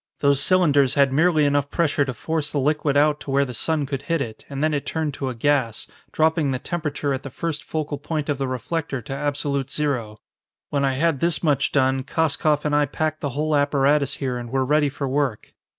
Those cylinders had merely enough pressure to force the liquid out to where the sun could hit it, and then it turned to a gas, dropping the temperature at the first focal point of the reflector to absolute zero. When I had this much done, Koskoff and I packed the whole apparatus here and were ready for work.